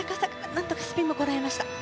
なんとかスピンもこらえました。